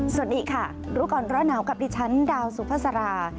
สวัสดีค่ะรู้ก่อนร้อนหนาวกับดิฉันดาวสุภาษารา